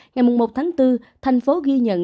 ngày một một tháng bốn thành phố ghi nhận